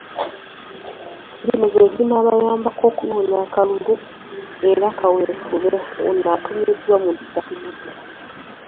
Zino ze zinaabayambako okunoonya akalulu era kaweefube ono atuumiddwa ‘Muda ku Muda’.